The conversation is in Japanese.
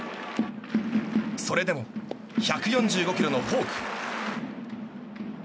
それでも１４５キロのフォーク。